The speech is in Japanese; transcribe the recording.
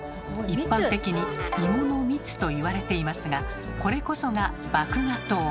一般的に「イモの蜜」と言われていますがこれこそが麦芽糖。